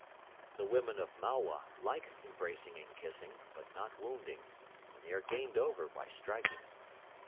The women of Malwa like embracing and kissing, but not wounding, and they are gained over by striking.